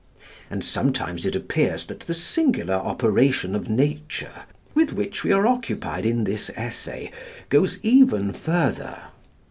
And sometimes it appears that the singular operation of nature, with which we are occupied in this Essay, goes even further.